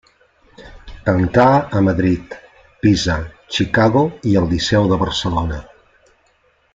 Cantà a Madrid, Pisa, Chicago i al Liceu de Barcelona.